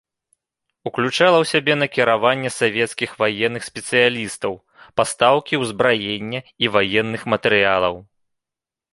Уключала ў сябе накіраванне савецкіх ваенных спецыялістаў, пастаўкі ўзбраення і ваенных матэрыялаў.